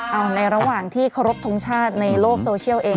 เอาในระหว่างที่เคารพทงชาติในโลกโซเชียลเอง